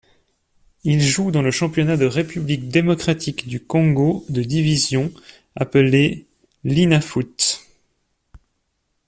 Il joue dans le championnat de République démocratique du Congo de division, appelé Linafoot.